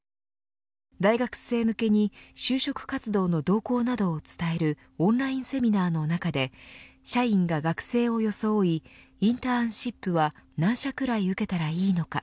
大学生向けに就職活動の動向などを伝えるオンラインセミナーの中で社員が学生を装いインターンシップは何社くらい受けたらいいのか。